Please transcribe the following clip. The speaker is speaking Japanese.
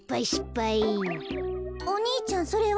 お兄ちゃんそれは？